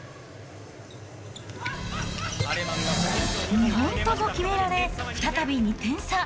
２本とも決められ、再び２点差。